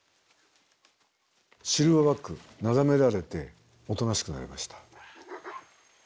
シルバーバックなだめられておとなしくなりました。